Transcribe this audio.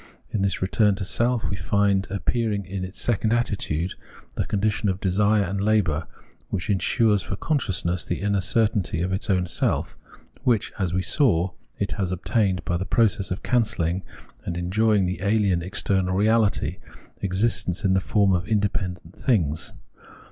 In this return into self, we find appearing its second attitude, the condition of desire and labour, which ensures for consciousness the inner certainty of its own self (which, as we saw, it has obtained,) by the process of cancelhng and enjoying the ahen external reahty, — existence in the form of independent things.